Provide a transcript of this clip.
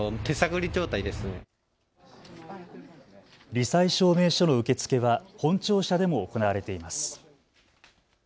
り災証明書の受け付けは本庁舎でも行われています。